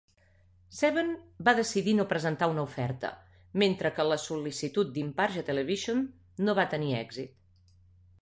Seven va decidir no presentar una oferta, mentre que la sol·licitud d'Imparja Television no va tenir èxit.